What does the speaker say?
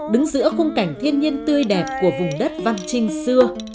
đứng giữa khung cảnh thiên nhiên tươi đẹp của vùng đất văn trinh xưa